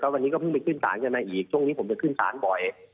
วันนี้ก็เพิ่งไปขึ้นศาลกันมาอีกช่วงนี้ผมจะขึ้นศาลบ่อย